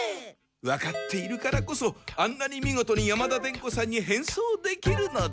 わかっているからこそあんなにみごとに山田伝子さんに変装できるのだ。